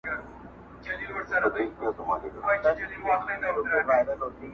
ه زه د دوو مئينو زړو بړاس يمه.